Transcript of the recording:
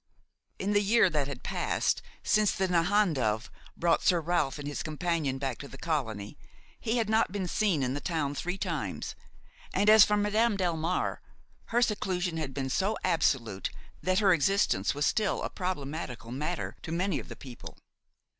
In the year that had passed since the Nahandove brought Sir Ralph and his companion back to the colony, he had not been seen in the town three times; and, as for Madame Delmare, her seclusion had been so absolute that her existence was still a problematical matter to many of the people.